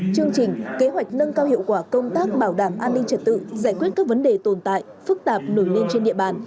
chương trình kế hoạch nâng cao hiệu quả công tác bảo đảm an ninh trật tự giải quyết các vấn đề tồn tại phức tạp nổi lên trên địa bàn